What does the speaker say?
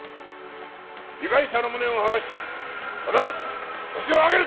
被害者の無念を晴らし必ずホシを挙げる！